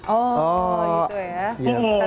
oh gitu ya